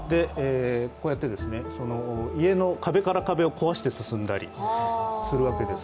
こうやって、家の壁から壁を壊して進んだりするわけです。